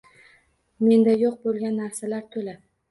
Menda yo'q bo'lgan narsalar to'la